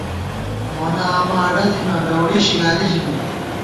مونہ آمہ اڈہ تھنہ ، لَؤڑی شِگالی ژِمېت